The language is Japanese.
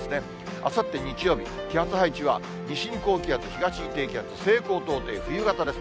あさって日曜日、気圧配置は西に高気圧、東に低気圧、西高東低、冬型です。